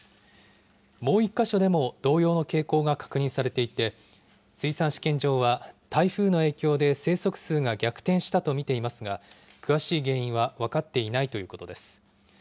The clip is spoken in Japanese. もう１か所でも同様の傾向が確認されていて、水産試験場は台風の影響で生息数が逆転したと見ていますが、詳しい原因は分かっていないということです。